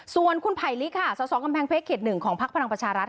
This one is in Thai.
ส่วนคุณไผลลิกค่ะสสกำแพงเพชรเขต๑ของพักพลังประชารัฐ